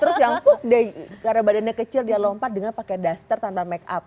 terus yang puk karena badannya kecil dia lompat dengan pakai duster tanpa make up